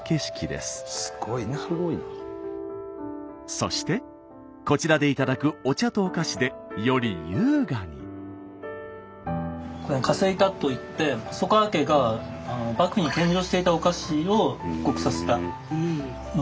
そしてこちらで頂くお茶とお菓子でより優雅に。といって細川家が幕府に献上していたお菓子を復刻させたもので。